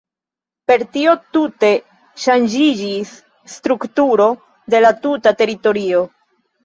Per tio tute ŝanĝiĝis strukturo de la tuta teritorio.